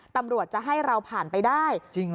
ตำรวจจะให้เราผ่านไปได้